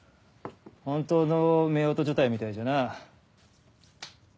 本当の夫婦所帯みたいじゃな。